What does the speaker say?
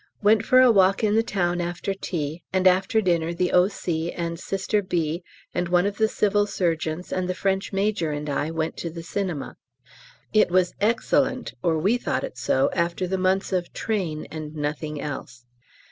Went for a walk in the town after tea, and after dinner the O.C. and Sister B. and one of the Civil Surgeons and the French Major and I went to the cinema. It was excellent, or we thought it so, after the months of train and nothing else.